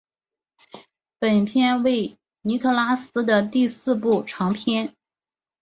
本片为尼可拉斯的第四部长片。